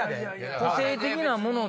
個性的なもので。